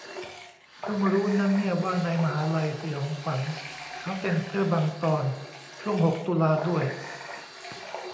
เพิ่งรู้นะเนี่ยว่าในมหา'ลัยสยองขวัญเค้าเซ็นเซอร์บางตอนช่วงหกตุลาด้วย